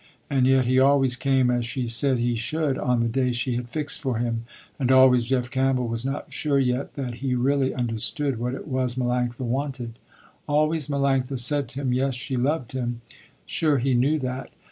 And yet he always came as she said he should, on the day she had fixed for him, and always Jeff Campbell was not sure yet that he really understood what it was Melanctha wanted. Always Melanctha said to him, yes she loved him, sure he knew that.